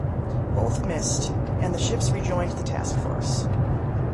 Both missed, and the ships rejoined the task force.